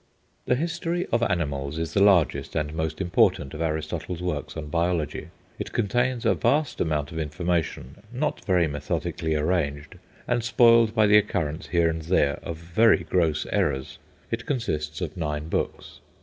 "The History of Animals" is the largest and most important of Aristotle's works on biology. It contains a vast amount of information, not very methodically arranged, and spoiled by the occurrence here and there of very gross errors. It consists of nine books.